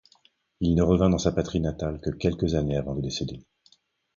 Il ne revint dans sa patrie natale que quelques années avant de décéder.